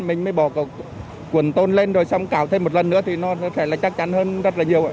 mình mới bỏ quần tôn lên rồi xong cào thêm một lần nữa thì nó sẽ là chắc chắn hơn rất là nhiều